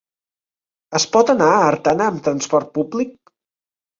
Es pot anar a Artana amb transport públic?